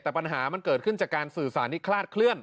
แต่ปัญหามันเกิดขึ้นจากการสื่อสารที่คลาดเคลื่อ